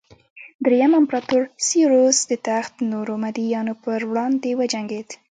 درېیم امپراتور سېوروس د تخت نورو مدعیانو پر وړاندې وجنګېد